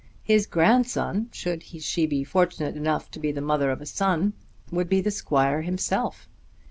His grandson, should she be fortunate enough to be the mother of a son, would be the squire himself!